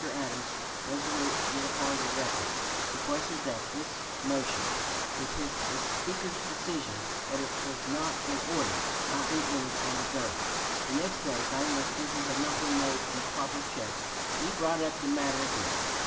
Adams, resolute to get upon the record, requested that his motion with the Speaker's decision that it was not in order might be entered on the Journal. The next day, finding that this entry had not been made in proper shape, he brought up the matter again.